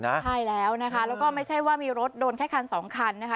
ใช่แล้วนะคะแล้วก็ไม่ใช่ว่ามีรถโดนแค่คันสองคันนะคะ